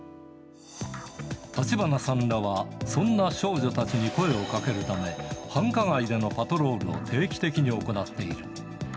橘さんらは、そんな少女たちに声をかけるため、繁華街でのパトロールを定期的に行っている。